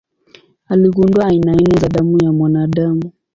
Aligundua aina nne za damu ya mwanadamu.